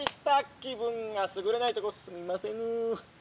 気分がすぐれないとこすみませぬ！」。